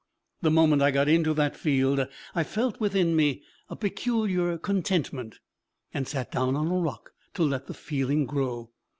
The moment I got into that field I felt within me a peculiar contentment, and sat down on a rock to let the feeling grow.